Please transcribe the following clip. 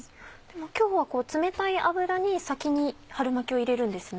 今日は冷たい油に先に春巻きを入れるんですね。